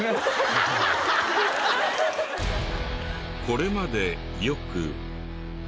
これまでよく。